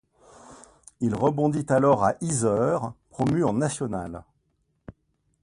Il rebondit alors à Yzeure, promu en National.